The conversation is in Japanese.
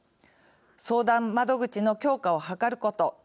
相談窓口の強化を図ること。